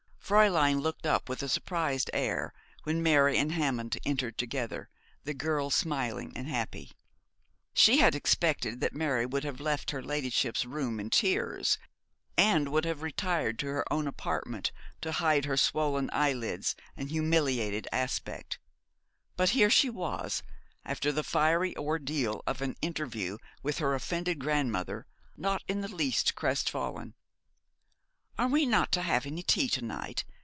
Fräulein looked up with a surprised air when Mary and Hammond entered together, the girl smiling and happy. She had expected that Mary would have left her ladyship's room in tears, and would have retired to her own apartment to hide her swollen eyelids and humiliated aspect. But here she was, after the fiery ordeal of an interview with her offended grandmother, not in the least crestfallen. 'Are we not to have any tea to night?'